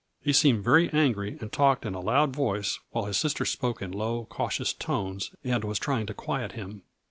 He seemed very angry and talked in a loud voice while his sister spoke in low, cautious tones and was trying to quiet him.